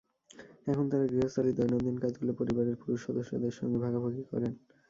এখন তাঁরা গৃহস্থালির দৈনন্দিন কাজগুলো পরিবারের পুরুষ সদস্যদের সঙ্গে ভাগাভাগি করেন।